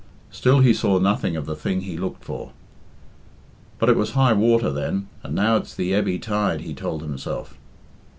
Still he saw nothing of the thing he looked for. "But it was high water then, and now it's the ebby tide," he told himself.